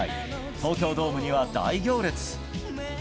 東京ドームには大行列。